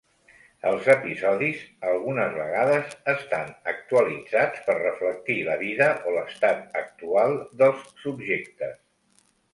Els episodis, algunes vegades, estan actualitzats per reflectir la vida o l'estat actual dels subjectes.